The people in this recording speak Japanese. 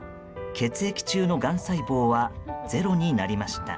血液中のがん細胞はゼロになりました。